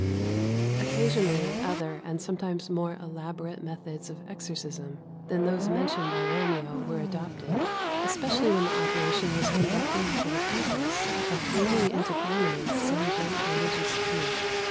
Occasionally other, and sometimes more elaborate, methods of exorcism than those mentioned by Romeo were adopted, especially when the operation was conducted for the purpose of bringing into prominence some great religious truth.